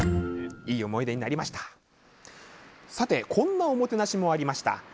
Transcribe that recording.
こんなおもてなしもありました。